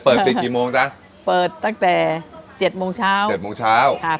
เปิดปิดกี่โมงจ๊ะเปิดตั้งแต่เจ็ดโมงเช้าเจ็ดโมงเช้าครับ